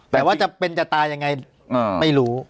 แต่ว่าจะเป็นจะตายยังไงไม่รู้